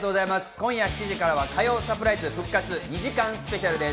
今夜７時から『火曜サプライズ』復活２時間スペシャルです。